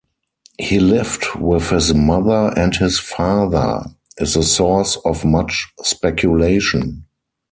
He lived with his mother and his father is the source of much speculation.